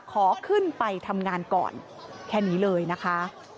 ขอขึ้นไปทำงานก่อนแค่นี้เลยนะคะ